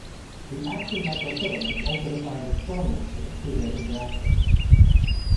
The actin microfilaments also define the stromule shape through their interactions.